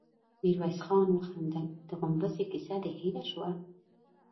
ميرويس خان وخندل: د غومبسې کيسه دې هېره شوه؟